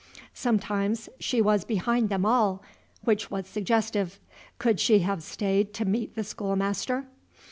Sometimes she was behind them all, which was suggestive. Could she have stayed to meet the schoolmaster?